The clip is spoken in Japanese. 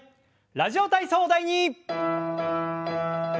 「ラジオ体操第２」。